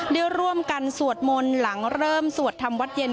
ได้ร่วมกันสวดมนต์หลังเริ่มสวดทำวัดเย็น